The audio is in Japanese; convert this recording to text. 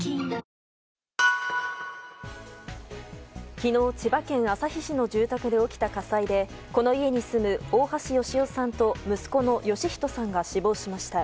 昨日、千葉県旭市の住宅で起きた火災でこの家に住む、大橋芳男さんと息子の芳人さんが死亡しました。